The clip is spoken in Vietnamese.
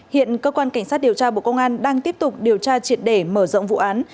hiện cơ quan cảnh sát điều tra bộ công an đang tiếp tục điều tra triệt để mở rộng vụ án